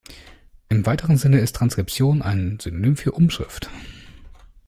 Im weiteren Sinne ist "Transkription" ein Synonym für ‚Umschrift‘.